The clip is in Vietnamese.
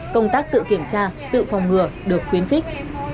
công tác tự kiểm tra tự phòng ngừa được khuyến khích